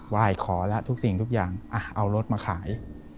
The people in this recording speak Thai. ไหว้ขอแล้วทุกสิ่งทุกอย่างเอารถมาขาย